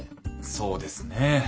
そうですね。